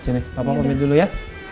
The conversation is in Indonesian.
sini papa pamit dulu ya